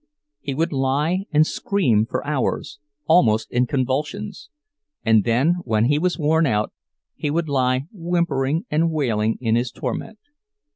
He would lie and scream for hours, almost in convulsions; and then, when he was worn out, he would lie whimpering and wailing in his torment.